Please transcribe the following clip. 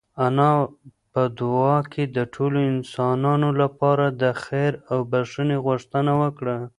انا په دعا کې د ټولو انسانانو لپاره د خیر او بښنې غوښتنه وکړه.